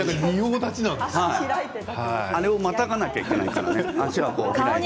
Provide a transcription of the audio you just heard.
あれをまたがなければいけないから。